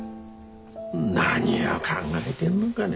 何を考えでんのがね。